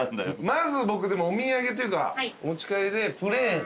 まず僕お土産というか持ち帰りでプレーン。